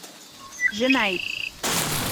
Jmeɛ-itt.